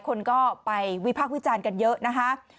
คนก็ไปวิพากษ์วิจารณ์กันเยอะนะคะ